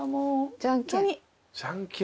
じゃんけん。